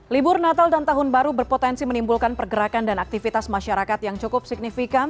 libur natal dan tahun baru berpotensi menimbulkan pergerakan dan aktivitas masyarakat yang cukup signifikan